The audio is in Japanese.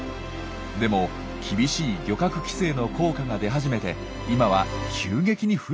でも厳しい漁獲規制の効果が出始めて今は急激に増えているんです。